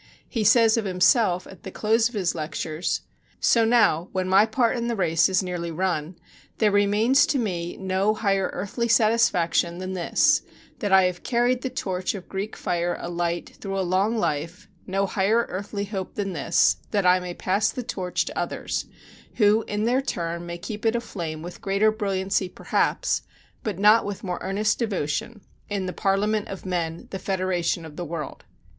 He says of himself at the close of his lectures: "So now, when my part in the race is nearly run, there remains to me no higher earthly satisfaction than this, that I have carried the torch of Greek fire alight through a long life no higher earthly hope than this, that I may pass that torch to others, who in their turn may keep it aflame with greater brilliancy perhaps, but not with more earnest devotion 'in the Parliament of men the Federation of the world.